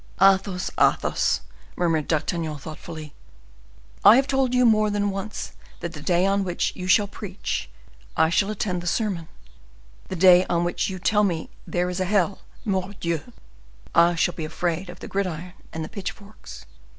"Athos! Athos!" murmured D'Artagnan, thoughtfully, "I have told you more than once that the day on which you will preach I shall attend the sermon; the day on which you will tell me there is a hell—Mordioux! I shall be afraid of the gridiron and the pitch forks.